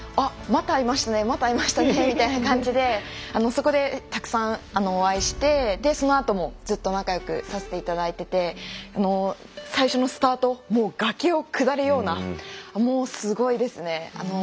また会いましたねみたいな感じでそこでたくさんお会いしてそのあともずっと仲良くさせていただいていて最初のスタート崖を下るようなもうすごいですね。